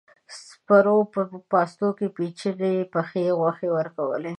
سپرو په پاستو کې پيچلې پخې غوښې ورکولې.